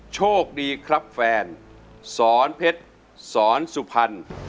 โชคดีครับแฟนสอนเพชรสอนสุพรรณ